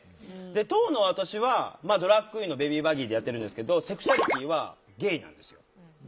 当の私はドラァグクイーンのベビー・バギーでやってるんですけどセクシュアリティーはゲイなんですよ。